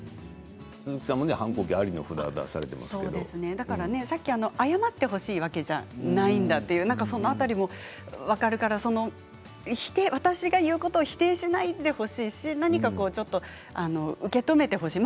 鈴木さんも反抗期ありのああやって謝ってほしいわけじゃないんだということも分かるから私が言うことを否定しないでほしいし、受け止めてほしい。